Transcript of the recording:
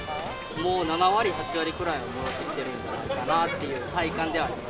もう７割、８割くらいは戻ってきてるかなという体感ではあります。